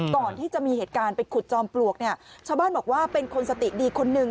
ก่อนที่จะมีเหตุการณ์ไปขุดจอมปลวกเนี่ยชาวบ้านบอกว่าเป็นคนสติดีคนหนึ่ง